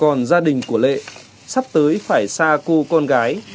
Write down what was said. còn gia đình của lệ sắp tới phải xa cô con gái